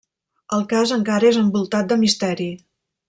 El cas encara és envoltat de misteri.